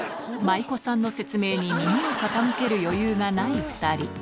舞妓さんの説明に耳を傾ける余裕がない２人